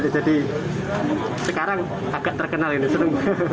jadi sekarang agak terkenal ini seru